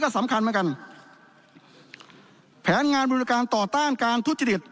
สำคัญเหมือนกันแผนงานบริการต่อต้านการทุจริต